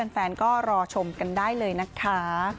แฟนก็รอชมกันได้เลยนะคะ